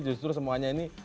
justru semuanya ini